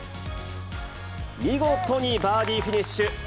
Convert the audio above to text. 見事にバーディーフィニッシュ。